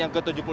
yuk kita ikut